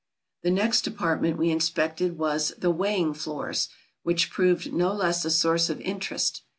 The next department we inspected was the "Weighing Floors," which proved no less a source of interest.